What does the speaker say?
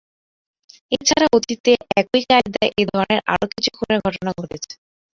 এ ছাড়া অতীতে একই কায়দায় এ ধরনের আরও কিছু খুনের ঘটনা ঘটেছে।